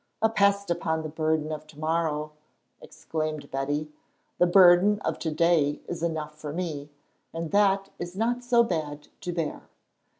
"A pest upon the burden of to morrow!" exclaimed Betty. "The burden of to day is enough for me, and that is not so bad to bear.